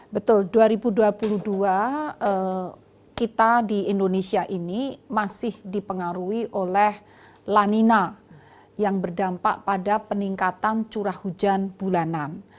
betul dua ribu dua puluh dua kita di indonesia ini masih dipengaruhi oleh lanina yang berdampak pada peningkatan curah hujan bulanan